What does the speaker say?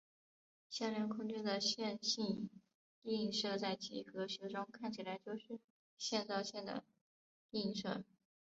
向量空间的线性映射在几何学中看起来就是线到线的映射。